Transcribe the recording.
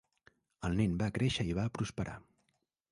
El nen va créixer i va prosperar.